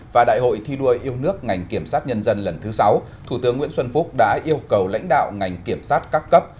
và đại hội thi đua yêu nước ngành kiểm sát nhân dân lần thứ sáu thủ tướng nguyễn xuân phúc đã yêu cầu lãnh đạo ngành kiểm sát các cấp